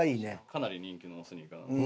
かなり人気のスニーカー。